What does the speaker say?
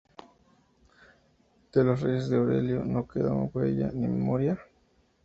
De los Reyes Aurelio, "“No Queda Huella ni Memoria?